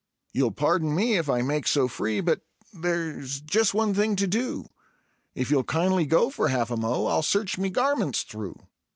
You'll pardon me if I make so free, but there's just one thing to do: If you'll kindly go for a half a mo' I'll search me garments through."